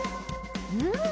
うん！